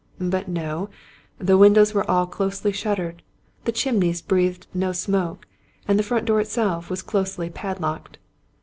But no: the windows were all closely shuttered, the chimneys breathed no smoke, and the front door itself was closely padlocked.